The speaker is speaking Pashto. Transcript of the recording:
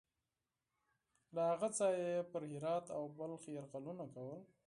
له هغه ځایه یې پر هرات او بلخ یرغلونه کول.